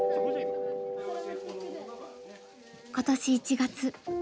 今年１月。